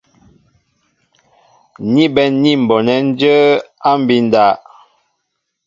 Ni bɛ̌n ní m̀bonɛ́ jə̌ á mbí' ndáp.